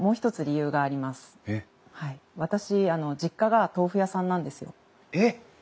私実家が豆腐屋さんなんですよ。えっ！？